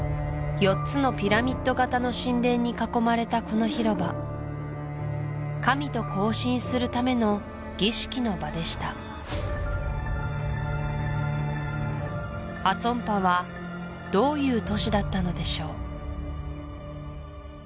４つのピラミッド形の神殿に囲まれたこの広場神と交信するための儀式の場でしたアツォンパはどういう都市だったのでしょう？